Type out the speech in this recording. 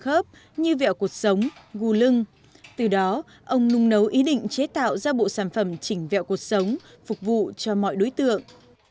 ông nung nấu ý định chế tạo ra bộ sản phẩm chỉnh vẹo cuộc sống phục vụ cho mọi đối tượng